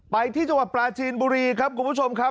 ไปที่จังหวัดปลาจีนบุรีครับคุณผู้ชมครับ